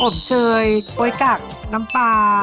เชยก๊ยกักน้ำปลา